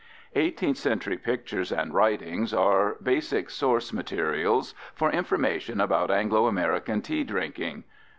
Eighteenth century pictures and writings are basic source materials for information about Anglo American tea drinking.